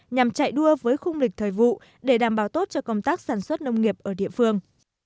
nhằm chạy đua với khung lịch thời vụ để đảm bảo tốt cho công tác sản xuất nông nghiệp ở địa phương